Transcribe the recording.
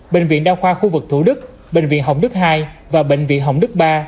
bệnh viện đa khoa khu vực thủ đức bệnh viện hồng đức hai và bệnh viện hồng đức ba